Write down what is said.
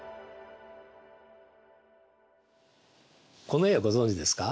この絵をご存じですか？